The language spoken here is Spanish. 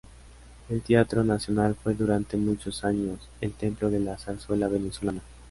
El Teatro Nacional fue durante muchos años el templo de la zarzuela venezolana.